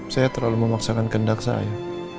saya terlalu memaksakan kendak saya